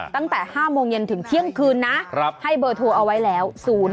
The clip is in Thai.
ตั้งแต่๕โมงเย็นถึงเที่ยงคืนนะให้เบอร์โทรเอาไว้แล้ว